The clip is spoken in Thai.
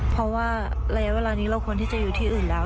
เพราะว่าระยะเวลานี้เราควรที่จะอยู่ที่อื่นแล้ว